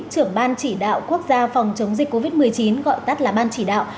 trưởng ban chỉ đạo quốc gia phòng chống dịch covid một mươi chín gọi tắt là ban chỉ đạo